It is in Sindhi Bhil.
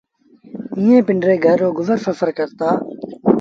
ائيٚݩ پنڊري گھر رو گزر سڦر ڪرتآ